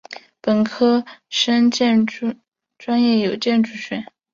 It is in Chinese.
本科生专业设有建筑学。